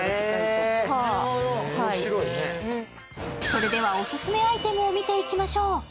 それではオススメアイテムを見ていきましょう。